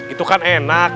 itu kan enak